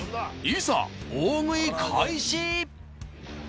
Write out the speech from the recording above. いざ大食い開始！